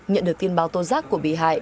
nhận được tin báo tôn giác của bị hại